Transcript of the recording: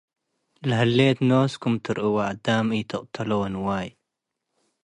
ለህሌት ኖስኩም ትርእዋ - አዳም ኢትቀትሎ ወንዋይ፣